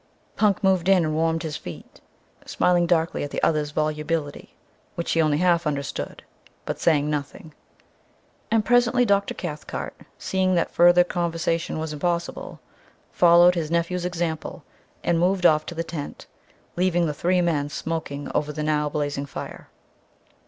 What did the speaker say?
Punk moved in and warmed his feet, smiling darkly at the other's volubility which he only half understood, but saying nothing. And presently Dr. Cathcart, seeing that further conversation was impossible, followed his nephew's example and moved off to the tent, leaving the three men smoking over the now blazing fire.